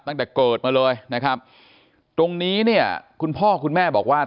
ตั้งแต่เกิดมาเลยนะครับตรงนี้เนี่ยคุณพ่อคุณแม่บอกว่า